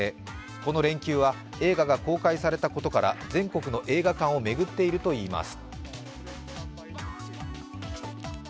この連休は映画が公開されたことから、全国の映画館を巡っているといいます。